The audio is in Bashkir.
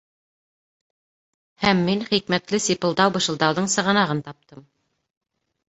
Һәм мин хикмәтле сипылдау-бышылдауҙың сығанағын таптым.